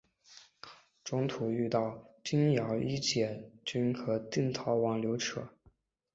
中途遇到京兆尹解恽和定陶王刘祉。